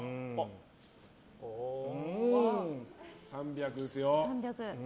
３００ですよ。